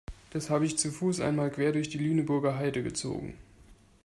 Das habe ich zu Fuß einmal quer durch die Lüneburger Heide gezogen.